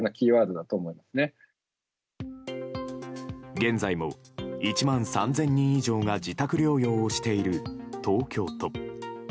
現在も１万３０００人以上が自宅療養をしている東京都。